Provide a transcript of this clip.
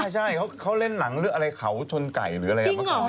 ใช่เขาเล่นหนังอะไรแข่าวชลใหก่หรืออะไร